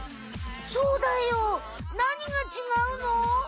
そうだよ何が違うの？